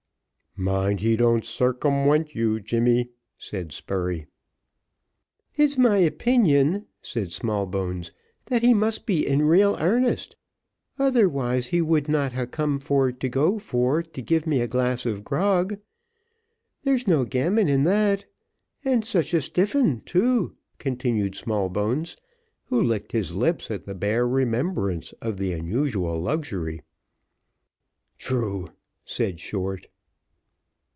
"Mind he don't circumwent you, Jimmy," said Spurey. "It's my opinion," said Smallbones, "that he must be in real arnest, otherwise he would not ha' come for to go for to give me a glass of grog there's no gammon in that; and such a real stiff 'un too," continued Smallbones, who licked his lips at the bare remembrance of the unusual luxury. "True," said Short.